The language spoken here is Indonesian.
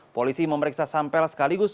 polisi memeriksa sampel sekaligus